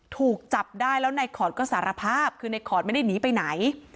ถูกจับได้แล้วในขอดก็สารภาพคือในขอดไม่ได้หนีไปไหน